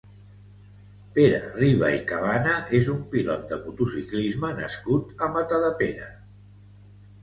Pere Riba i Cabana és un pilot de motociclisme nascut a Matadepera.